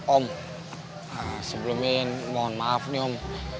om sebelumnya yan mohon maaf nih om